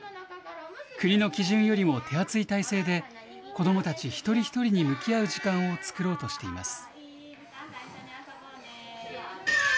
国の基準よりも手厚い態勢で、子どもたち一人一人に向き合う時間を作ろうとしています。